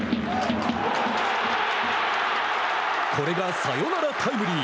これがサヨナラタイムリー。